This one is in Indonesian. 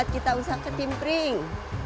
kita usah ke timpring